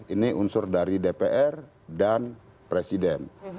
ini unsur dari dpr dan presiden